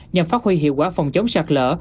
nhằm phát huy hiệu quả phòng chống sạt lỡ